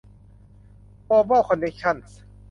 โกลบอล คอนเน็คชั่นส์